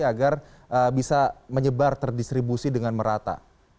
agar bisa menyebar terdistribusi dengan merata